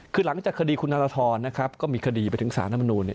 คือหลังจากคดีคุณธนทรนะครับก็มีคดีไปถึงสารธรรมนูลเนี่ย